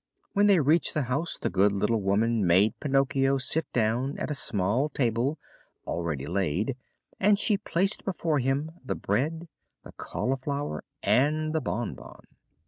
When they reached the house the good little woman made Pinocchio sit down at a small table already laid and she placed before him the bread, the cauliflower and the bonbon.